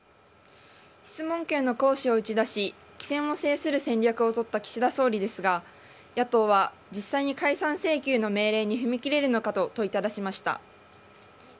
質問権の行使を打ち出し、機先を制する戦略を取った岸田総理ですが、野党は実際に解散請求の命令に踏み切れるのかと問いただしました。